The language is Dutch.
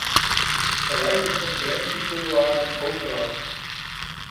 Gelijke concurrentievoorwaarden overal.